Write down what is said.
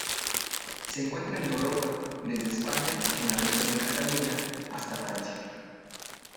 Se encuentra en Europa: desde España, en la región de Cataluña, hasta Francia.